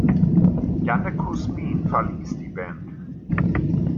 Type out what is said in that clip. Janne Kusmin verließ die Band.